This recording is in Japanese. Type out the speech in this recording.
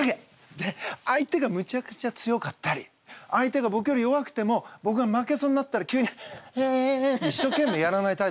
で相手がむちゃくちゃ強かったり相手がぼくより弱くてもぼくが負けそうになったら急にへって一生懸命やらない態度を取ったりしたわけ。